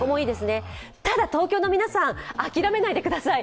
ただ、東京の皆さん、諦めないでください。